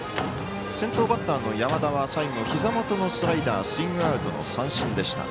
先頭バッターの山田は最後、ひざ元のスライダースイングアウトの三振でした。